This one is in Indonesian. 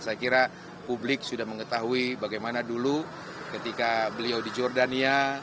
saya kira publik sudah mengetahui bagaimana dulu ketika beliau di jordania